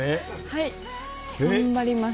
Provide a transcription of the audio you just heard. はい頑張ります。